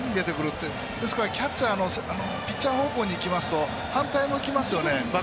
ですから、キャッチャーピッチャー方向に行きますと反対向きますよね。